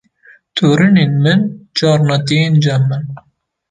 tornên min carna tên cem min